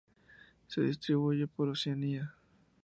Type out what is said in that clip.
Se distribuye por Oceanía.